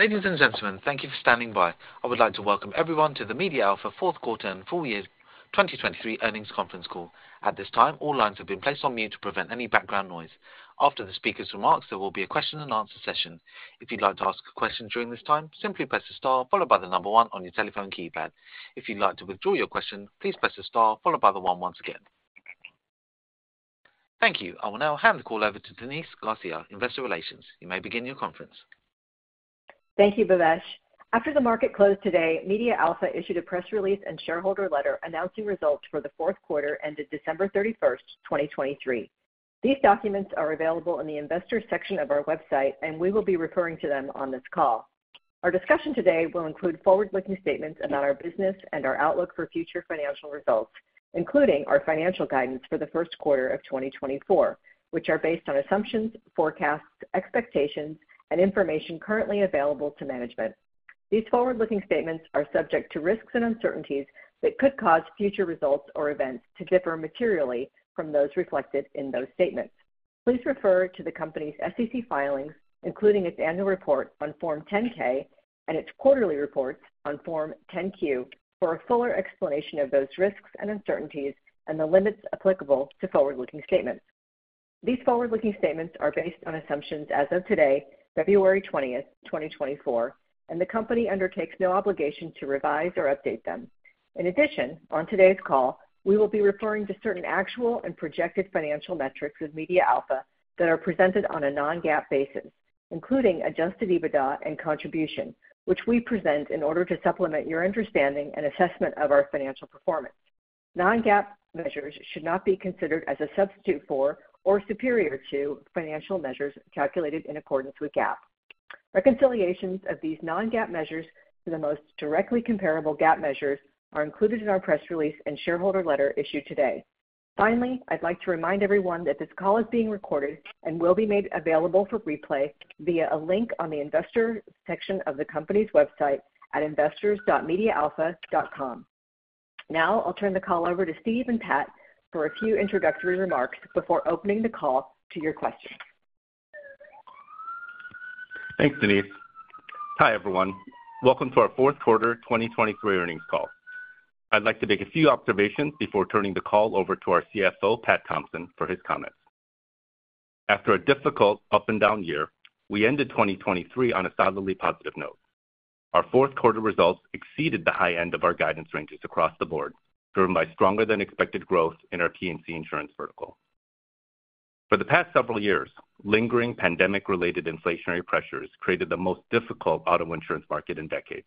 Ladies and gentlemen, thank you for standing by. I would like to welcome everyone to the MediaAlpha fourth quarter and full year 2023 earnings conference call. At this time, all lines have been placed on mute to prevent any background noise. After the speaker's remarks, there will be a question-and-answer session. If you'd like to ask a question during this time, simply press the star followed by the number 1 on your telephone keypad. If you'd like to withdraw your question, please press the star followed by the 1 once again. Thank you. I will now hand the call over to Denise Garcia, investor relations. You may begin your conference. Thank you, Bhavesh. After the market closed today, MediaAlpha issued a press release and shareholder letter announcing results for the fourth quarter ended December 31, 2023. These documents are available in the investors section of our website, and we will be referring to them on this call. Our discussion today will include forward-looking statements about our business and our outlook for future financial results, including our financial guidance for the first quarter of 2024, which are based on assumptions, forecasts, expectations, and information currently available to management. These forward-looking statements are subject to risks and uncertainties that could cause future results or events to differ materially from those reflected in those statements. Please refer to the company's SEC filings, including its annual report on Form 10-K and its quarterly reports on Form 10-Q, for a fuller explanation of those risks and uncertainties and the limits applicable to forward-looking statements. These forward-looking statements are based on assumptions as of today, February 20, 2024, and the company undertakes no obligation to revise or update them. In addition, on today's call, we will be referring to certain actual and projected financial metrics of MediaAlpha that are presented on a non-GAAP basis, including Adjusted EBITDA and Contribution, which we present in order to supplement your understanding and assessment of our financial performance. Non-GAAP measures should not be considered as a substitute for or superior to financial measures calculated in accordance with GAAP. Reconciliations of these non-GAAP measures to the most directly comparable GAAP measures are included in our press release and shareholder letter issued today. Finally, I'd like to remind everyone that this call is being recorded and will be made available for replay via a link on the investor section of the company's website at investors.medialpha.com. Now I'll turn the call over to Steve and Pat for a few introductory remarks before opening the call to your questions. Thanks, Denise. Hi everyone. Welcome to our fourth quarter 2023 earnings call. I'd like to make a few observations before turning the call over to our CFO, Pat Thompson, for his comments. After a difficult up-and-down year, we ended 2023 on a solidly positive note. Our fourth quarter results exceeded the high end of our guidance ranges across the board, driven by stronger-than-expected growth in our P&C insurance vertical. For the past several years, lingering pandemic-related inflationary pressures created the most difficult auto insurance market in decades.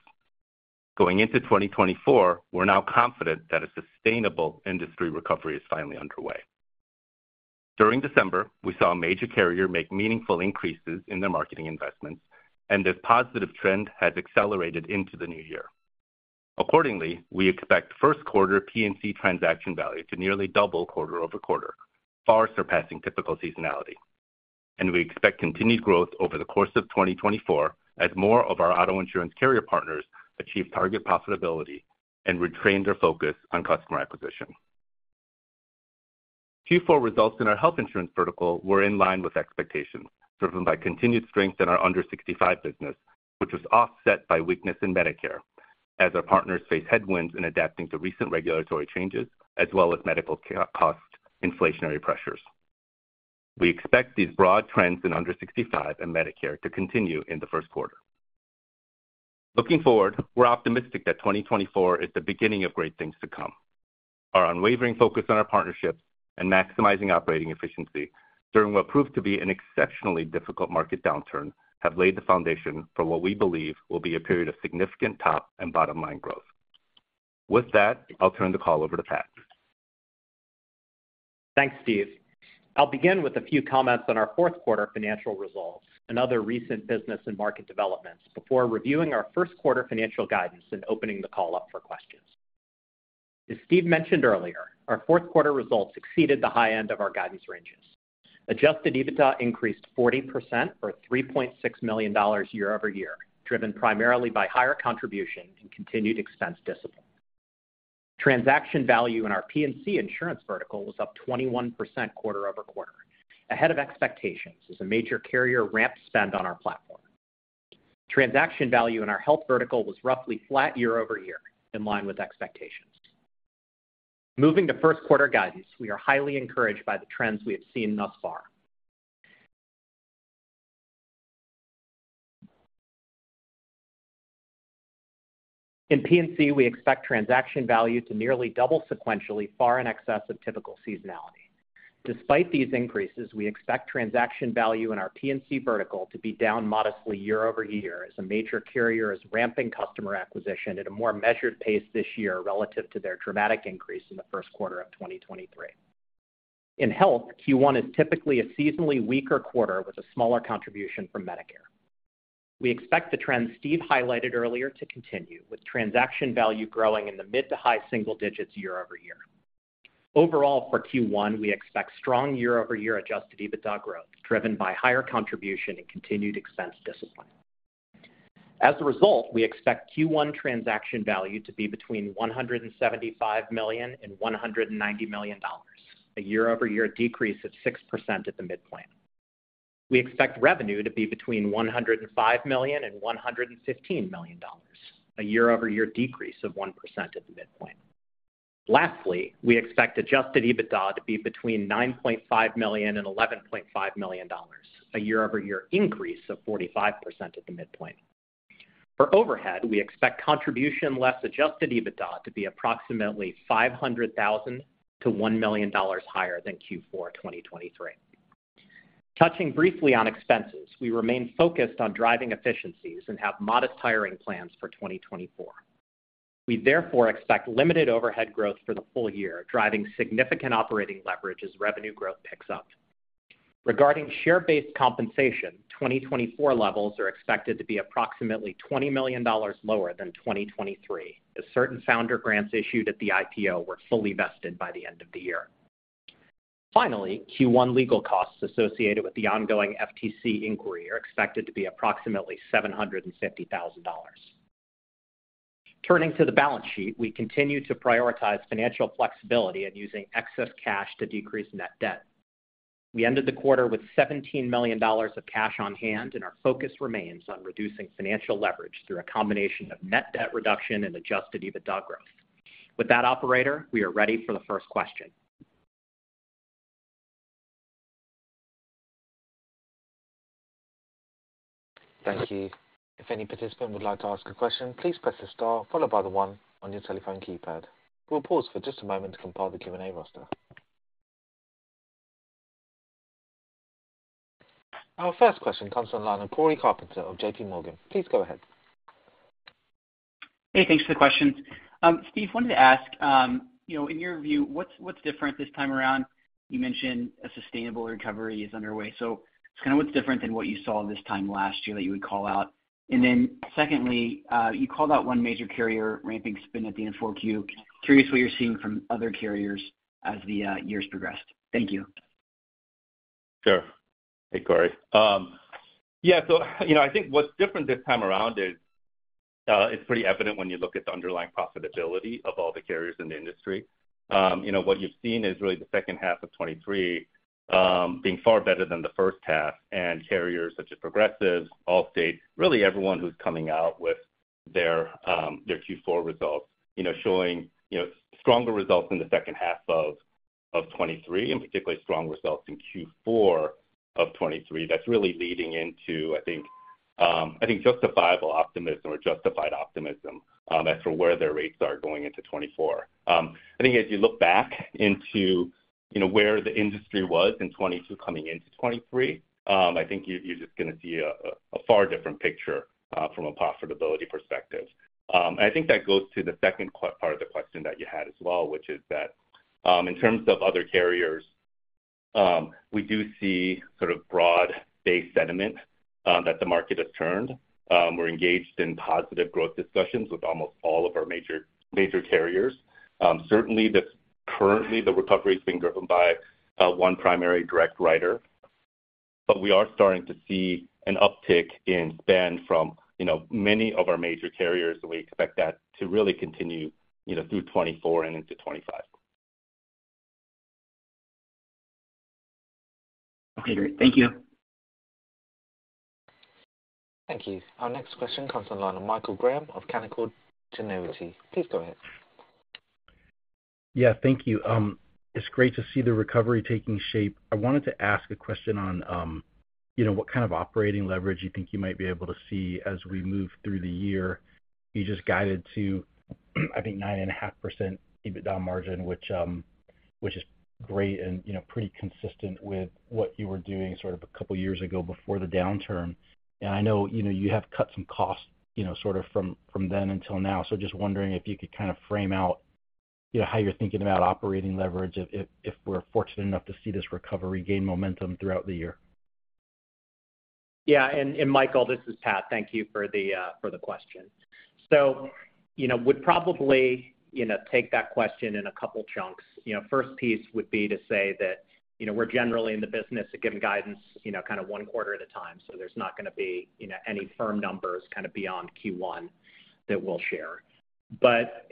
Going into 2024, we're now confident that a sustainable industry recovery is finally underway. During December, we saw a major carrier make meaningful increases in their marketing investments, and this positive trend has accelerated into the new year. Accordingly, we expect first-quarter P&C transaction value to nearly double quarter-over-quarter, far surpassing typical seasonality. We expect continued growth over the course of 2024 as more of our auto insurance carrier partners achieve target profitability and retrain their focus on customer acquisition. Q4 results in our health insurance vertical were in line with expectations, driven by continued strength in our Under-65 business, which was offset by weakness in Medicare as our partners face headwinds in adapting to recent regulatory changes as well as medical cost inflationary pressures. We expect these broad trends in Under-65 and Medicare to continue in the first quarter. Looking forward, we're optimistic that 2024 is the beginning of great things to come. Our unwavering focus on our partnerships and maximizing operating efficiency during what proved to be an exceptionally difficult market downturn have laid the foundation for what we believe will be a period of significant top and bottom line growth. With that, I'll turn the call over to Pat. Thanks, Steve. I'll begin with a few comments on our fourth quarter financial results and other recent business and market developments before reviewing our first quarter financial guidance and opening the call up for questions. As Steve mentioned earlier, our fourth quarter results exceeded the high end of our guidance ranges. Adjusted EBITDA increased 40%, or $3.6 million year-over-year, driven primarily by higher contribution and continued expense discipline. Transaction value in our P&C insurance vertical was up 21% quarter-over-quarter, ahead of expectations as a major carrier ramped spend on our platform. Transaction value in our health vertical was roughly flat year-over-year, in line with expectations. Moving to first quarter guidance, we are highly encouraged by the trends we have seen thus far. In P&C, we expect transaction value to nearly double sequentially, far in excess of typical seasonality. Despite these increases, we expect transaction value in our P&C vertical to be down modestly year-over-year as a major carrier is ramping customer acquisition at a more measured pace this year relative to their dramatic increase in the first quarter of 2023. In health, Q1 is typically a seasonally weaker quarter with a smaller contribution from Medicare. We expect the trends Steve highlighted earlier to continue, with transaction value growing in the mid to high single digits year-over-year. Overall, for Q1, we expect strong year-over-year Adjusted EBITDA growth, driven by higher contribution and continued expense discipline. As a result, we expect Q1 transaction value to be between $175 million and $190 million, a year-over-year decrease of 6% at the midpoint. We expect revenue to be between $105 million and $115 million, a year-over-year decrease of 1% at the midpoint. Lastly, we expect Adjusted EBITDA to be between $9.5 million and $11.5 million, a year-over-year increase of 45% at the midpoint. For overhead, we expect Contribution less Adjusted EBITDA to be approximately $500,000-$1 million higher than Q4 2023. Touching briefly on expenses, we remain focused on driving efficiencies and have modest hiring plans for 2024. We therefore expect limited overhead growth for the full year, driving significant operating leverage as revenue growth picks up. Regarding share-based compensation, 2024 levels are expected to be approximately $20 million lower than 2023, as certain founder grants issued at the IPO were fully vested by the end of the year. Finally, Q1 legal costs associated with the ongoing FTC inquiry are expected to be approximately $750,000. Turning to the balance sheet, we continue to prioritize financial flexibility and using excess cash to decrease net debt. We ended the quarter with $17 million of cash on hand, and our focus remains on reducing financial leverage through a combination of net debt reduction and Adjusted EBITDA growth. With that, operator, we are ready for the first question. Thank you. If any participant would like to ask a question, please press the star followed by the 1 on your telephone keypad. We'll pause for just a moment to compile the Q&A roster. Our first question comes from Cory Carpenter of JP Morgan. Please go ahead. Hey, thanks for the question. Steve, wanted to ask, in your view, what's different this time around? You mentioned a sustainable recovery is underway. So it's kind of what's different than what you saw this time last year that you would call out. And then secondly, you called out one major carrier ramping spend at the end of 4Q. Curious what you're seeing from other carriers as the years progressed. Thank you. Sure. Hey, Cory. Yeah, so I think what's different this time around is it's pretty evident when you look at the underlying profitability of all the carriers in the industry. What you've seen is really the second half of 2023 being far better than the first half, and carriers such as Progressive, Allstate, really everyone who's coming out with their Q4 results showing stronger results in the second half of 2023 and particularly strong results in Q4 of 2023. That's really leading into, I think, justifiable optimism or justified optimism as for where their rates are going into 2024. I think as you look back into where the industry was in 2022 coming into 2023, I think you're just going to see a far different picture from a profitability perspective. I think that goes to the second part of the question that you had as well, which is that in terms of other carriers, we do see sort of broad-based sentiment that the market has turned. We're engaged in positive growth discussions with almost all of our major carriers. Certainly, currently, the recovery has been driven by one primary direct writer. But we are starting to see an uptick in spend from many of our major carriers, and we expect that to really continue through 2024 and into 2025. Okay, great. Thank you. Thank you. Our next question comes from Michael Graham of Canaccord Genuity. Please go ahead. Yeah, thank you. It's great to see the recovery taking shape. I wanted to ask a question on what kind of operating leverage you think you might be able to see as we move through the year. You just guided to, I think, 9.5% EBITDA margin, which is great and pretty consistent with what you were doing sort of a couple of years ago before the downturn. I know you have cut some costs sort of from then until now. Just wondering if you could kind of frame out how you're thinking about operating leverage if we're fortunate enough to see this recovery gain momentum throughout the year. Yeah. And Michael, this is Pat. Thank you for the question. So I would probably take that question in a couple of chunks. First piece would be to say that we're generally in the business of giving guidance kind of one quarter at a time. So there's not going to be any firm numbers kind of beyond Q1 that we'll share. But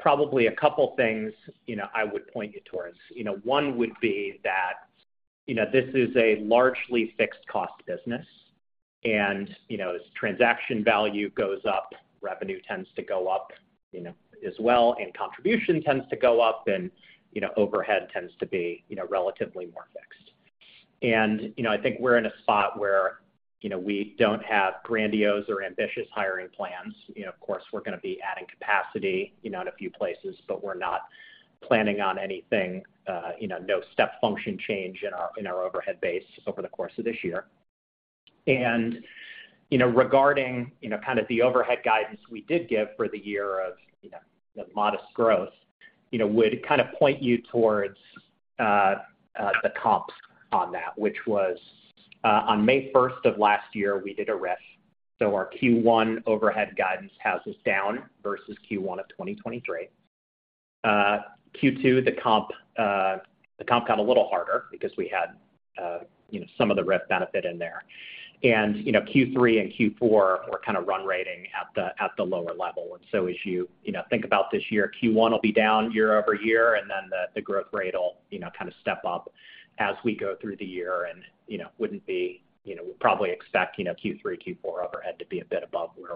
probably a couple of things I would point you towards. One would be that this is a largely fixed-cost business, and as transaction value goes up, revenue tends to go up as well, and contribution tends to go up, and overhead tends to be relatively more fixed. And I think we're in a spot where we don't have grandiose or ambitious hiring plans. Of course, we're going to be adding capacity in a few places, but we're not planning on anything, no step function change in our overhead base over the course of this year. And regarding kind of the overhead guidance we did give for the year of modest growth, would kind of point you towards the comps on that, which was on May 1st of last year, we did a RIF. So our Q1 overhead guidance is down versus Q1 of 2023. Q2, the comp got a little harder because we had some of the RIF benefit in there. And Q3 and Q4 were kind of run-rating at the lower level. As you think about this year, Q1 will be down year-over-year, and then the growth rate will kind of step up as we go through the year and wouldn't be we'd probably expect Q3, Q4 overhead to be a bit above where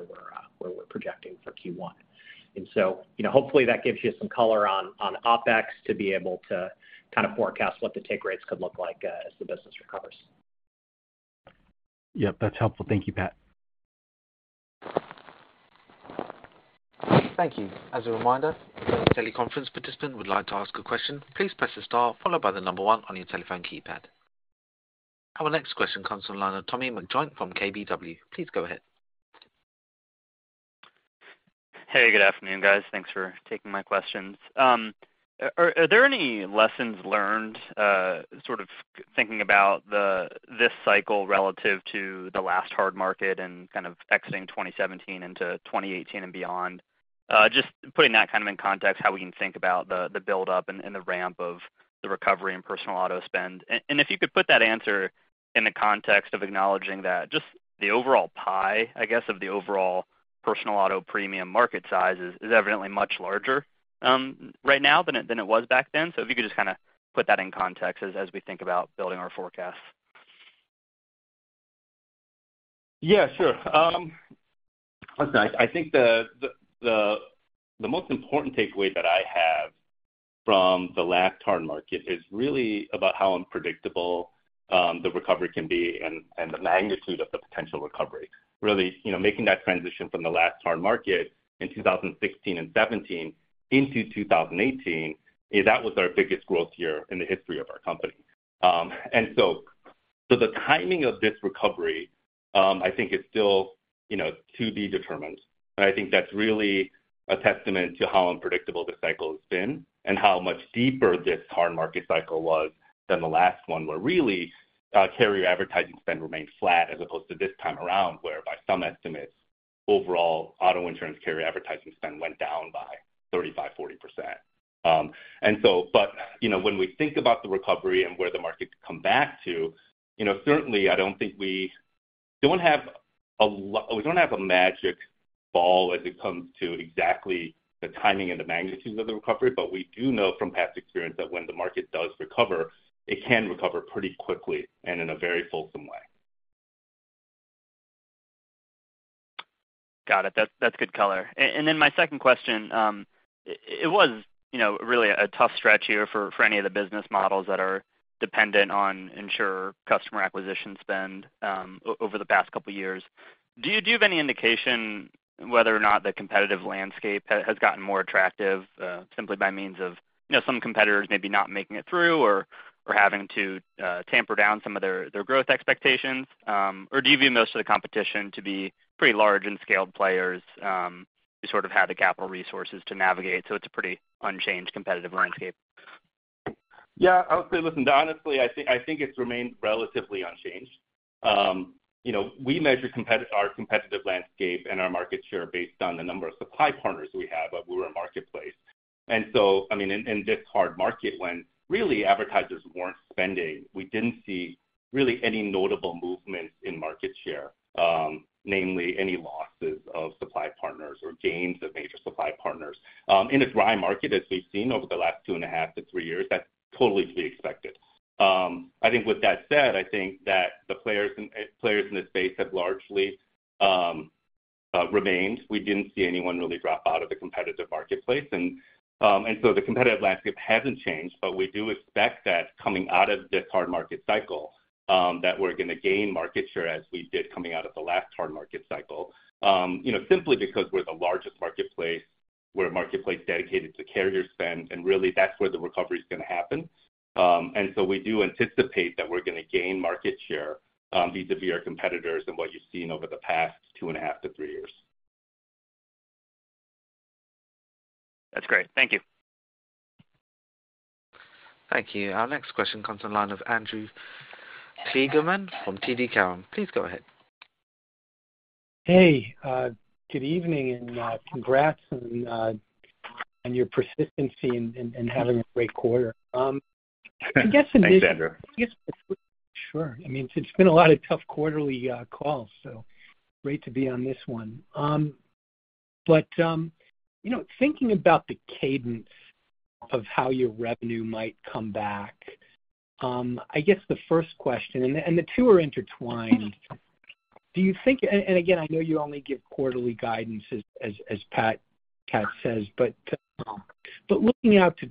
we're projecting for Q1. Hopefully, that gives you some color on OpEx to be able to kind of forecast what the take rates could look like as the business recovers. Yep, that's helpful. Thank you, Pat. Thank you. As a reminder, if any teleconference participant would like to ask a question, please press the star followed by the number 1 on your telephone keypad. Our next question comes from Tommy McJoynt from KBW. Please go ahead. Hey, good afternoon, guys. Thanks for taking my questions. Are there any lessons learned sort of thinking about this cycle relative to the last hard market and kind of exiting 2017 into 2018 and beyond? Just putting that kind of in context, how we can think about the buildup and the ramp of the recovery in personal auto spend. And if you could put that answer in the context of acknowledging that just the overall pie, I guess, of the overall personal auto premium market size is evidently much larger right now than it was back then. So if you could just kind of put that in context as we think about building our forecasts. Yeah, sure. Listen, I think the most important takeaway that I have from the last hard market is really about how unpredictable the recovery can be and the magnitude of the potential recovery. Really making that transition from the last hard market in 2016 and 2017 into 2018, that was our biggest growth year in the history of our company. So the timing of this recovery, I think, is still to be determined. I think that's really a testament to how unpredictable this cycle has been and how much deeper this hard market cycle was than the last one where really carrier advertising spend remained flat as opposed to this time around whereby some estimates, overall auto insurance carrier advertising spend went down by 35%-40%. But when we think about the recovery and where the market could come back to, certainly, I don't think we have a magic ball as it comes to exactly the timing and the magnitude of the recovery. But we do know from past experience that when the market does recover, it can recover pretty quickly and in a very fulsome way. Got it. That's good color. And then my second question, it was really a tough stretch here for any of the business models that are dependent on insurer customer acquisition spend over the past couple of years. Do you have any indication whether or not the competitive landscape has gotten more attractive simply by means of some competitors maybe not making it through or having to tamp down some of their growth expectations? Or do you view most of the competition to be pretty large and scaled players who sort of have the capital resources to navigate? So it's a pretty unchanged competitive landscape. Yeah, I would say, listen, honestly, I think it's remained relatively unchanged. We measure our competitive landscape and our market share based on the number of supply partners we have of who are in marketplace. And so, I mean, in this hard market, when really advertisers weren't spending, we didn't see really any notable movements in market share, namely any losses of supply partners or gains of major supply partners. In a dry market, as we've seen over the last 2.5 years-3 years, that's totally to be expected. I think with that said, I think that the players in this space have largely remained. We didn't see anyone really drop out of the competitive marketplace. And so the competitive landscape hasn't changed. But we do expect that coming out of this hard market cycle, that we're going to gain market share as we did coming out of the last hard market cycle simply because we're the largest marketplace, we're a marketplace dedicated to carrier spend, and really that's where the recovery is going to happen. And so we do anticipate that we're going to gain market share vis-à-vis our competitors and what you've seen over the past 2.5 years-3 years. That's great. Thank you. Thank you. Our next question comes from Andrew Kligerman from TD Cowen. Please go ahead. Hey, good evening and congrats on your persistency and having a great quarter. I guess in this. Thanks Andrew. Sure. I mean, it's been a lot of tough quarterly calls, so great to be on this one. But thinking about the cadence of how your revenue might come back, I guess the first question and the two are intertwined. Do you think, and again, I know you only give quarterly guidance, as Pat says. But looking out to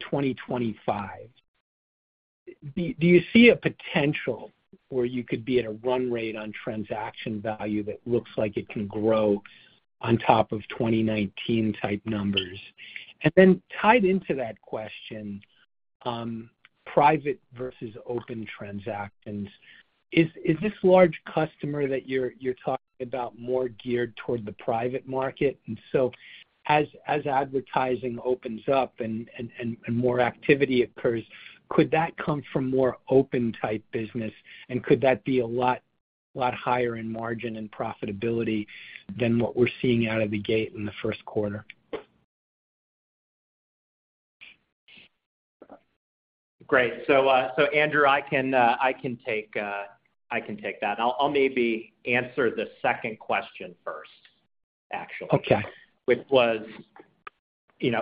2025, do you see a potential where you could be at a run rate on transaction value that looks like it can grow on top of 2019-type numbers? And then tied into that question, private versus open transactions, is this large customer that you're talking about more geared toward the private market? And so as advertising opens up and more activity occurs, could that come from more open-type business? Could that be a lot higher in margin and profitability than what we're seeing out of the gate in the first quarter? Great. So Andrew, I can take that. I'll maybe answer the second question first, actually, which was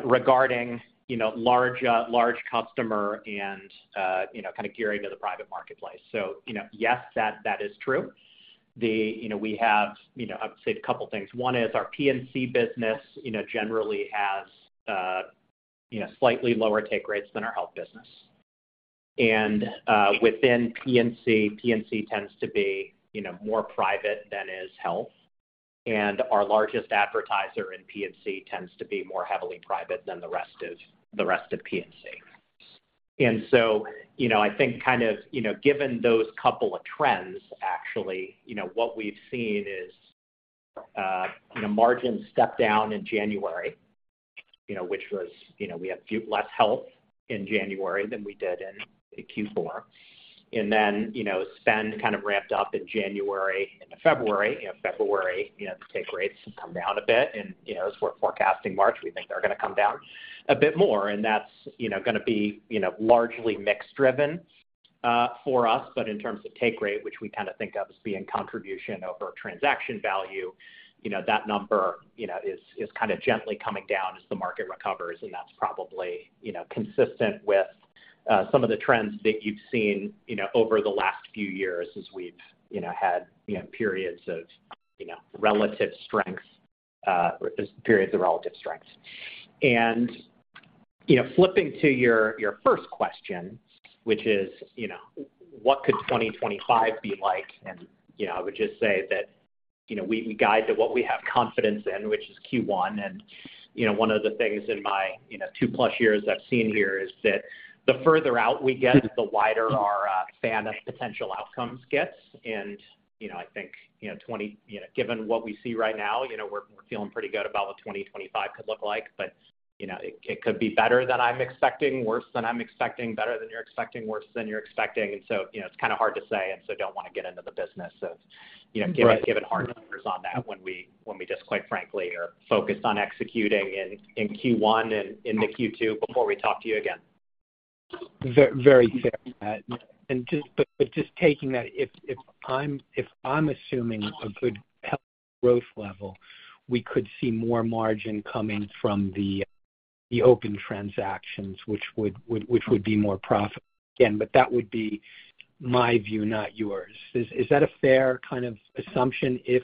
regarding large customer and kind of gearing to the private marketplace. So yes, that is true. We have, I would say, a couple of things. One is our P&C business generally has slightly lower take rates than our health business. And within P&C, P&C tends to be more private than is health. And our largest advertiser in P&C tends to be more heavily private than the rest of P&C. And so I think kind of given those couple of trends, actually, what we've seen is margins stepped down in January, which was we had less health in January than we did in Q4. And then spend kind of ramped up in January and in February. In February, the take rates have come down a bit. As we're forecasting March, we think they're going to come down a bit more. And that's going to be largely mix-driven for us. But in terms of take rate, which we kind of think of as being contribution over transaction value, that number is kind of gently coming down as the market recovers. And that's probably consistent with some of the trends that you've seen over the last few years as we've had periods of relative strength periods of relative strength. Flipping to your first question, which is what could 2025 be like? And I would just say that we guide to what we have confidence in, which is Q1. And one of the things in my 2+ years I've seen here is that the further out we get, the wider our fan of potential outcomes gets. And I think given what we see right now, we're feeling pretty good about what 2025 could look like. But it could be better than I'm expecting, worse than I'm expecting, better than you're expecting, worse than you're expecting. And so it's kind of hard to say. And so I don't want to get into the business of giving hard numbers on that when we just, quite frankly, are focused on executing in Q1 and in the Q2 before we talk to you again. Very fair, Pat. But just taking that, if I'm assuming a good health growth level, we could see more margin coming from the open transactions, which would be more profitable. Again, but that would be my view, not yours. Is that a fair kind of assumption if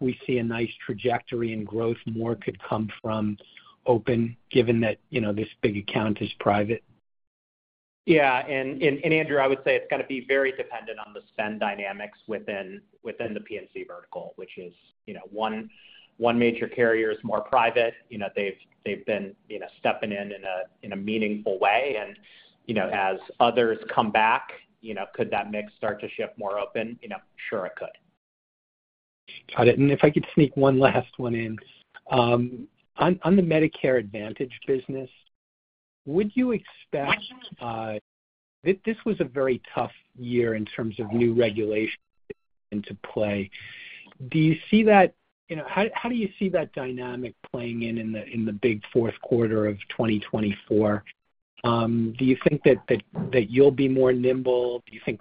we see a nice trajectory in growth, more could come from open, given that this big account is private? Yeah. And Andrew, I would say it's going to be very dependent on the spend dynamics within the P&C vertical, which is one major carrier is more private. They've been stepping in in a meaningful way. And as others come back, could that mix start to shift more open? Sure, it could. Got it. And if I could sneak one last one in, on the Medicare Advantage business, would you expect this was a very tough year in terms of new regulations to play? Do you see that how do you see that dynamic playing in the big fourth quarter of 2024? Do you think that you'll be more nimble? Do you think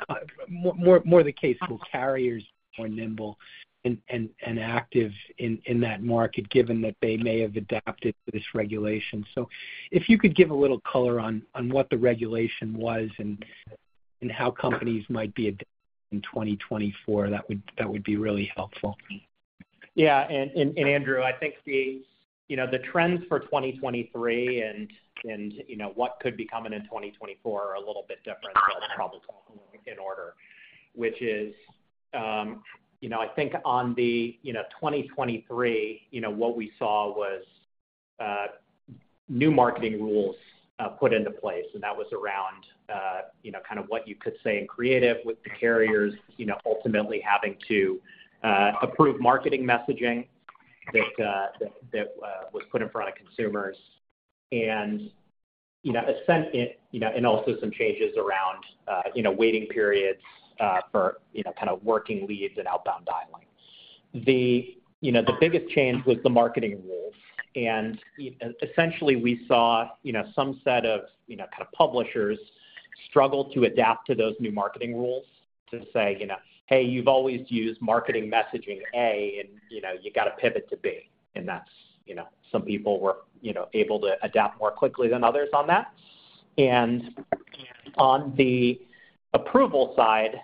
more of the case will carriers be more nimble and active in that market, given that they may have adapted to this regulation? So if you could give a little color on what the regulation was and how companies might be adapting in 2024, that would be really helpful. Yeah. Andrew, I think the trends for 2023 and what could be coming in 2024 are a little bit different. So I'll probably talk a little bit in order, which is, I think, on the 2023, what we saw was new marketing rules put into place. And that was around kind of what you could say in creative with the carriers ultimately having to approve marketing messaging that was put in front of consumers, and in a sense, also some changes around waiting periods for kind of working leads and outbound dialing. The biggest change was the marketing rules. And essentially, we saw some set of kind of publishers struggle to adapt to those new marketing rules to say, "Hey, you've always used marketing messaging A, and you got to pivot to B." And some people were able to adapt more quickly than others on that. On the approval side,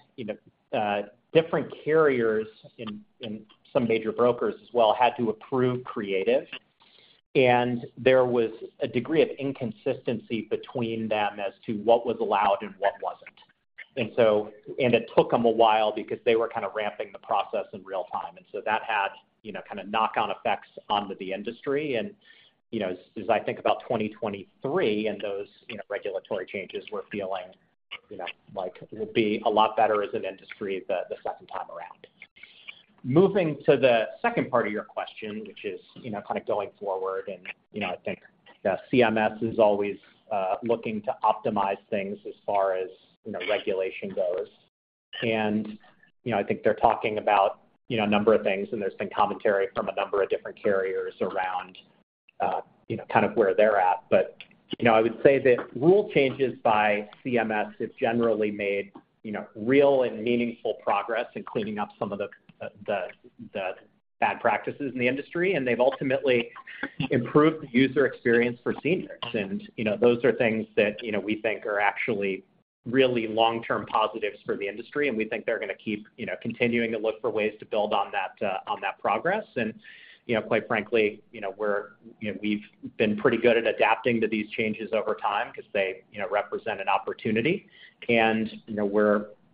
different carriers and some major brokers as well had to approve creative. There was a degree of inconsistency between them as to what was allowed and what wasn't. It took them a while because they were kind of ramping the process in real time. So that had kind of knock-on effects onto the industry. As I think about 2023 and those regulatory changes, we're feeling like it will be a lot better as an industry the second time around. Moving to the second part of your question, which is kind of going forward. I think CMS is always looking to optimize things as far as regulation goes. I think they're talking about a number of things. There's been commentary from a number of different carriers around kind of where they're at. But I would say that rule changes by CMS have generally made real and meaningful progress in cleaning up some of the bad practices in the industry. And they've ultimately improved the user experience for seniors. And those are things that we think are actually really long-term positives for the industry. And we think they're going to keep continuing to look for ways to build on that progress. And quite frankly, we've been pretty good at adapting to these changes over time because they represent an opportunity. And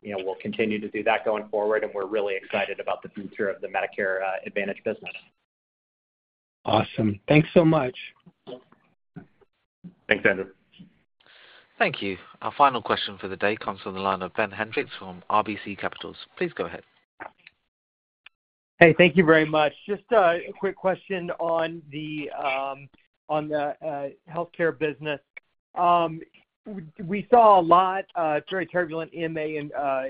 we'll continue to do that going forward. And we're really excited about the future of the Medicare Advantage business. Awesome. Thanks so much. Thanks, Andrew. Thank you. Our final question for the day comes from the line of Ben Hendrix from RBC Capital Markets. Please go ahead. Hey, thank you very much. Just a quick question on the healthcare business. We saw a lot of very turbulent MA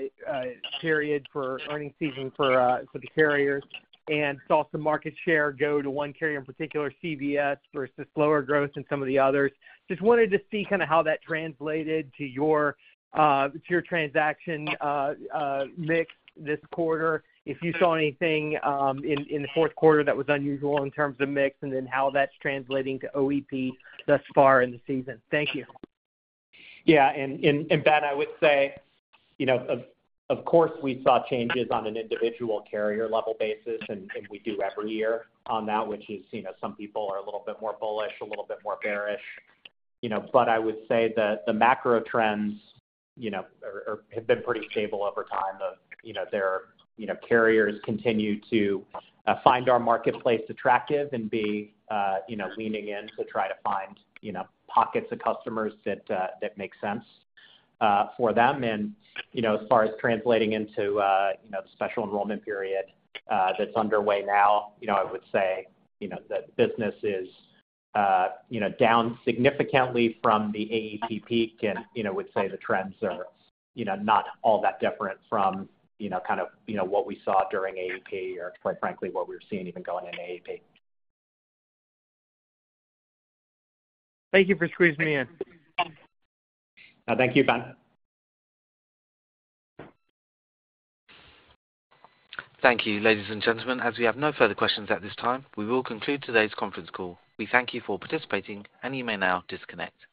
period for earnings season for the carriers and saw some market share go to one carrier in particular, CVS, versus slower growth in some of the others. Just wanted to see kind of how that translated to your transaction mix this quarter, if you saw anything in the fourth quarter that was unusual in terms of mix, and then how that's translating to OEP thus far in the season. Thank you. Yeah. And Ben, I would say, of course, we saw changes on an individual carrier-level basis. And we do every year on that, which is some people are a little bit more bullish, a little bit more bearish. But I would say that the macro trends have been pretty stable over time. Their carriers continue to find our marketplace attractive and be leaning in to try to find pockets of customers that make sense for them. And as far as translating into the special enrollment period that's underway now, I would say that business is down significantly from the AEP peak. And I would say the trends are not all that different from kind of what we saw during AEP or, quite frankly, what we were seeing even going in AEP. Thank you for squeezing me in. Thank you, Ben. Thank you, ladies and gentlemen. As we have no further questions at this time, we will conclude today's conference call. We thank you for participating, and you may now disconnect.